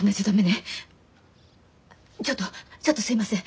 ちょっとちょっとすいません